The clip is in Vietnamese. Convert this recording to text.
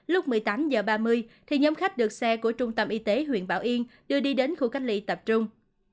lúc một mươi tám h ba mươi thì nhóm khách được xe của trung tâm y tế huyện bảo yên đưa đi đến khu cách ly tập trung